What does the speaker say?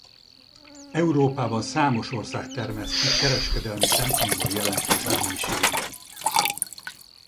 Európában számos ország termeszti kereskedelmi szempontból jelentős mennyiségben.